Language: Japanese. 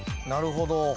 ・なるほど。